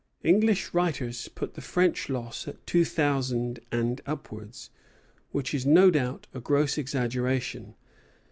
English writers put the French loss at two thousand and upwards, which is no doubt a gross exaggeration.